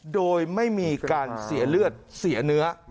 โดยไม่มีการเสียเลือดเสียเนื้อ